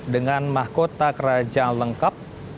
dengan mahkota kerajaan lengkap